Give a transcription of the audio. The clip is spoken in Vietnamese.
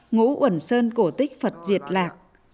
ngũ quẩn sơn cổ tích phật diệt lạc